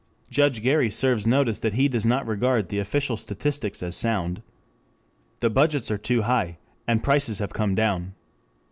Judge Gary serves notice that he does not regard the official statistics as sound. The budgets are too high, and prices have come down.